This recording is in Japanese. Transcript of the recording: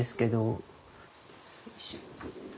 よいしょ。